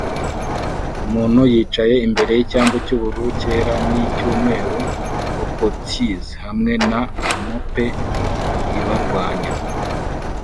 Umuntu yicaye imbere yicyambu cyubururu cyera nicyumweru-o-potties hamwe na mope ibarwanya